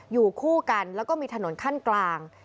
อยู่คู่กันแล้วก็มีถนนขั้นกลาง